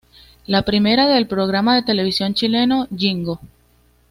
La primera del programa de televisión chileno "Yingo".